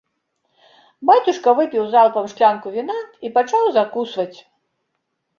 Бацюшка выпіў залпам шклянку віна і пачаў закусваць.